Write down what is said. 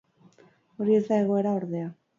Hori ez da egoera, ordea.